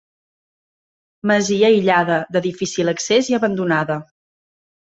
Masia aïllada, de difícil accés i abandonada.